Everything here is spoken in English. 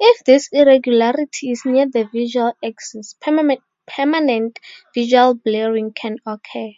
If this irregularity is near the visual axis, permanent visual blurring can occur.